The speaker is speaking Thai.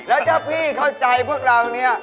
แล้วถ้าพี่เข้าใจพวกเราเนี่ย